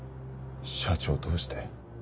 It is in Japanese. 社長どうして？